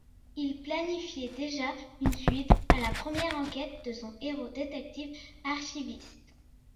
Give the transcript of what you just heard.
Il planifiait déjà une suite à la première enquête de son héros détective archiviste.